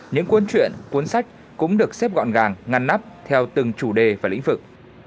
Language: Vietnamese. những cuốn chuyện cuốn sách cũng được xếp gọn gàng ngăn nắp theo từng chủ đề và lĩnh vực